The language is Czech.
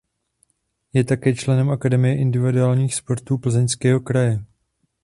Je také členem Akademie individuálních sportů Plzeňského kraje.